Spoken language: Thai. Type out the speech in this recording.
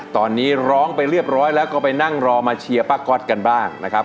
ตอนนี้ร้องไปเรียบร้อยแล้วก็ไปนั่งรอมาเชียร์ป้าก๊อตกันบ้างนะครับ